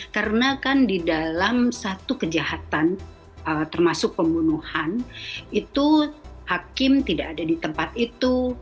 karena kan di dalam satu kejahatan termasuk pembunuhan itu hakim tidak ada di tempat itu